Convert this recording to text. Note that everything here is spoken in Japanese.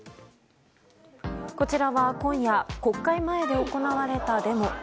こちらは今夜、国会前で行われたデモ。